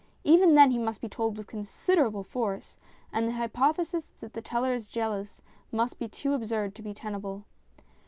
Even then he must be told with considerable force, and the hypothesis that the teller is jealous must be too absurd to be tenable.